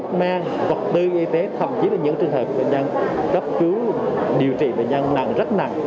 các mạng vật tư y tế thậm chí là những trường hợp bệnh nhân gấp cứu điều trị bệnh nhân nặng rất nặng